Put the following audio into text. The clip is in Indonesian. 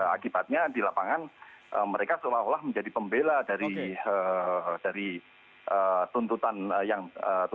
akibatnya di lapangan mereka seolah olah menjadi pembela dari tuntutan penolakan mahasiswa itu